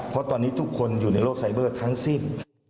เพราะตอนนี้ทุกคนอยู่ในโลกไซเบอร์ทั้งสิ้น